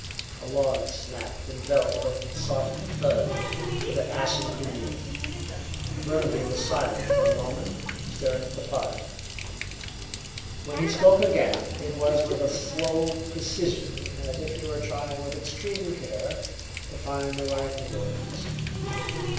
A log snapped and fell with a soft thud to the ashes beneath. Burnaby was silent for a moment, staring at the fire. When he spoke again, it was with a slow precision as if he were trying with extreme care to find the right words.